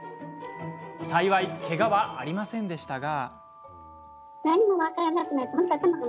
幸い、けがはありませんでしたが。